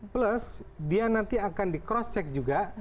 plus dia nanti akan di cross check juga